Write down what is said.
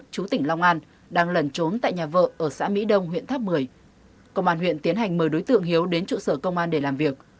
chú tỉnh long an đang lần trốn tại nhà vợ ở xã mỹ đông huyện tháp một mươi công an huyện tiến hành mời đối tượng hiếu đến trụ sở công an để làm việc